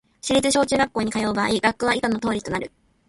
市立小・中学校に通う場合、学区は以下の通りとなる